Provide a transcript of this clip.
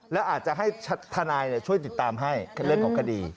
แล้วอาจจะให้ทนายช่วยติดตามให้เรื่องของคดี